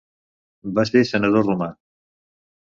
Va ser senador romà.